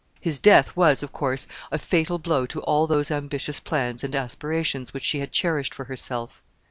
His death was, of course, a fatal blow to all those ambitious plans and aspirations which she had cherished for herself.